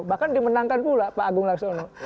bahkan dimenangkan pula pak agung laksono